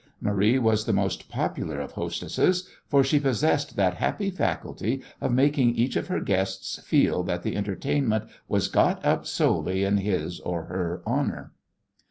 Marie was the most popular of hostesses, for she possessed that happy faculty of making each of her guests feel that the entertainment was got up solely in his or her honour.